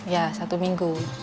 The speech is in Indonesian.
ya satu minggu